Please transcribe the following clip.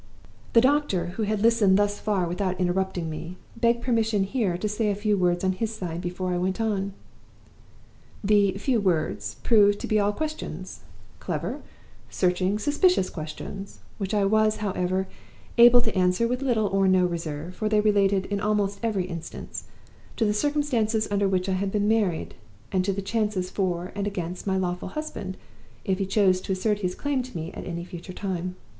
"The doctor, who had listened thus far without interrupting me, begged permission here to say a few words on his side before I went on. "The 'few words' proved to be all questions clever, searching, suspicious questions which I was, however, able to answer with little or no reserve, for they related, in almost every instance, to the circumstances under which I had been married, and to the chances for and against my lawful husband if he chose to assert his claim to me at any future time.